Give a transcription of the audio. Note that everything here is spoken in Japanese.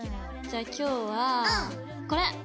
じゃあ今日はこれ！